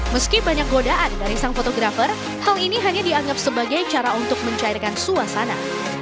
meski banyak godaan dari sang fotografer hal ini hanya dianggap sebagai cara untuk mencairkan suasana